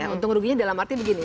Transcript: untung ruginya dalam arti begini